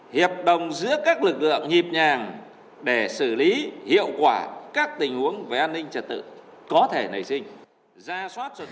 hiệp đồng giữa các lực lượng nhịp nhàng để xử lý hiệu quả các tình huống về an ninh trật tự có thể nảy sinh